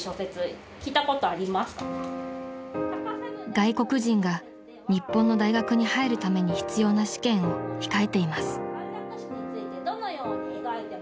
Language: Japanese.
［外国人が日本の大学に入るために必要な試験を控えています］